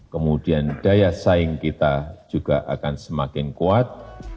kemudian daya saing kita juga akan semakin kuat